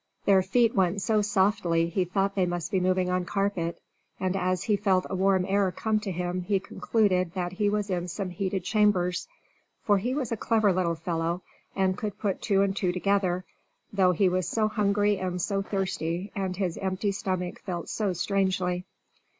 Their feet went so softly he thought they must be moving on carpet, and as he felt a warm air come to him he concluded that he was in some heated chambers, for he was a clever little fellow, and could put two and two together, though he was so hungry and so thirsty and his empty stomach felt so strangely.